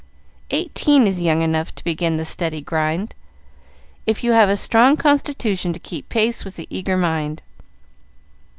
Eighteen is young enough to begin the steady grind, if you have a strong constitution to keep pace with the eager mind.